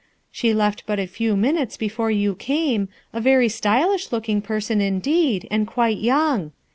She left but a few minutes before you came, a very stylish looking person, indeed, and quite' young.